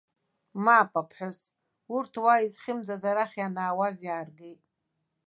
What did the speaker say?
Мап, аԥҳәыс, урҭ уа изхьымӡаз арахь ианаауаз иааргеит.